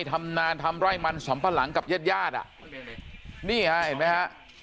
ทำนานทำไร่มันสำภาหลังกับเย็ดยาดอ่ะนี่ไหลไหมฮะ